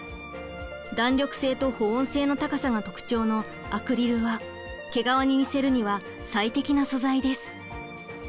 弾力性と保温性の高さが特徴のアクリルは毛皮に似せるには最適な素材です。